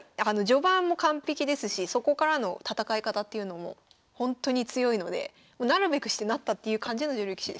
序盤も完璧ですしそこからの戦い方っていうのもほんとに強いのでなるべくしてなったっていう感じの女流棋士でした。